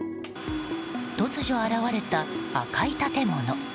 突如現れた赤い建物。